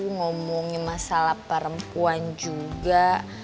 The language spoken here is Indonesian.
ngomongin masalah perempuan juga